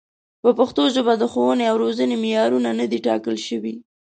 په پښتو ژبه د ښوونې او روزنې معیارونه نه دي ټاکل شوي.